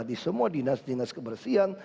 di semua dinas dinas kebersihan